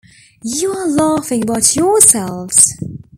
You are laughing about yourselves!